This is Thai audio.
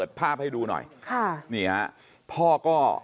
เปิดภาพให้ดูหน่อยพ่อก็